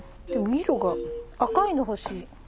でも色が赤いの欲しい。